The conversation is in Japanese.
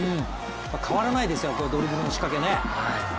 変わらないですよ、ドリブルの仕掛けね。